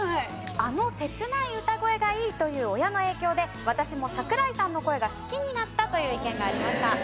「あの切ない歌声がいい」という親の影響で私も桜井さんの声が好きになったという意見がありました。